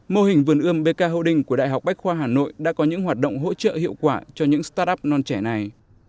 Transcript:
mô hình vườn ươm bk hậu đinh của đại học bách khoa hà nội đã có những hoạt động hỗ trợ hiệu quả cho những start up non trẻ này